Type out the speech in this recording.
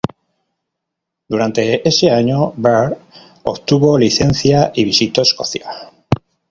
Durante ese año, Baird obtuvo licencia y visitó Escocia.